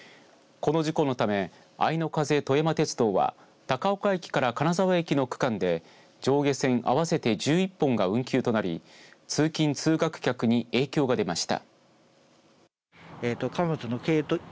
この事故のためあいの風とやま鉄道は高岡駅から金沢駅の区間で上下線合わせて１１本が運休となり通勤、通学客に影響が出ました。